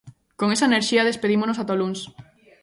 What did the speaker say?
Con esa enerxía despedímonos ata o luns.